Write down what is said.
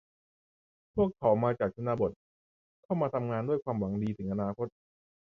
พวกเขามาจากชนบท เข้ามาทำงานด้วยความหวังถึงอนาคต